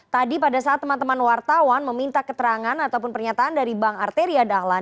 tadi pada saat teman teman wartawan meminta keterangan ataupun pernyataan dari bang arteria dahlan